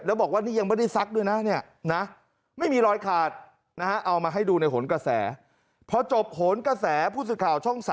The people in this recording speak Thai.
เอามาให้ดูในโขนกระแสเพราะจบโขนกระแสผู้สื่อข่าวช่อง๓